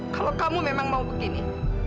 kalau kamu memang mau begini